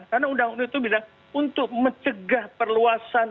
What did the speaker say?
karena undang undang itu bilang untuk mencegah perluasan